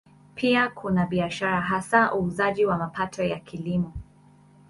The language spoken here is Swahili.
Pia kuna biashara, hasa uuzaji wa mapato ya Kilimo.